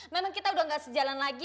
memang kita udah gak sejalan lagi